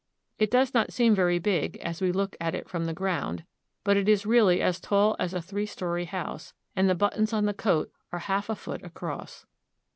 It does not seem very big as we look at it from the ground, but it is really as tall as a three story house, and the buttons on the coat are half a foot across.